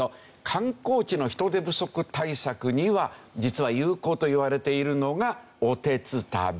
観光地の人手不足対策には実は有効といわれているのがおてつたび。